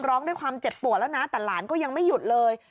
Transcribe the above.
ร้องด้วยความเจ็บปวดแล้วนะแต่หลานก็ยังไม่หยุดเลย